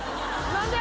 何で？